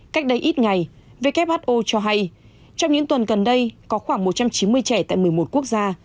cách đây ít ngày who cho hay trong những tuần gần đây có khoảng một trăm chín mươi trẻ tại một mươi một quốc gia